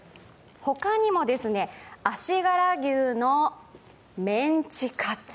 他にも、足柄牛のメンチカツ。